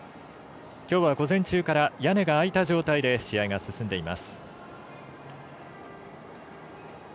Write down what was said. きょうは午前中から屋根が開いた状態で試合が進んでいます。